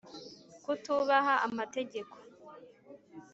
Kutubaha amategeko